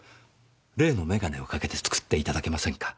例の眼鏡をかけて作っていただけませんか？